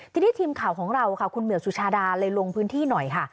ทีนี้ทีมข่าวของเราค่ะคุณเหือกสุชาดาเลยลงพื้นที่หน่อยค่ะ